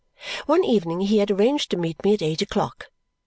One evening he had arranged to meet me at eight o'clock.